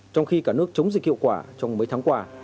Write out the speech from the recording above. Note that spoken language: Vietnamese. trong khi cả nước chống dịch hiệu quả trong mấy tháng qua